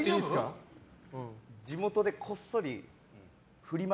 地元でこっそりフリマ